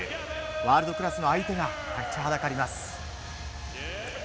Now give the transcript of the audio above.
ワールドクラスの相手が立ちはだかります。